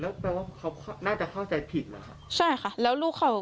แล้วแปลว่าเขาน่าจะเข้าใจผิดเหรอคะใช่ค่ะแล้วลูกเขา